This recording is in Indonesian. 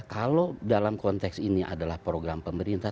kalau dalam konteks ini adalah program pemerintah